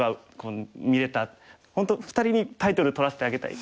本当２人にタイトル取らせてあげたい。